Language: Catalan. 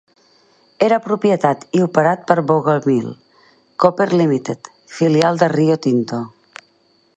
Era propietat i operat per Bougainville Copper Limited, filial de Rio Tinto.